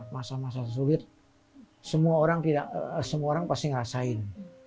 masa masa sulit semua orang pasti ngerasain